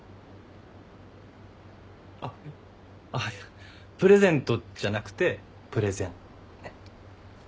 あっあっいやプレゼントじゃなくてプレゼン。